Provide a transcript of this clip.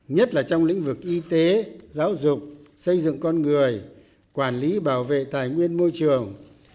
nhất là trong lĩnh vực y tế giáo dục xây dựng con người quản lý bảo vệ tài nguyên môi trường